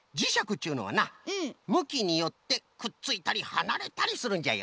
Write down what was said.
っちゅうのはなむきによってくっついたりはなれたりするんじゃよ。